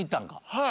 はい。